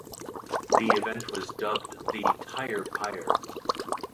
The event was dubbed the "Tyre Pyre".